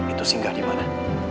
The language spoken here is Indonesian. itu singgah dimana